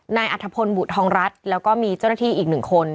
นายอัฐพลบุธองรัฐแล้วก็มีเจ้าหน้าที่อีก๑คน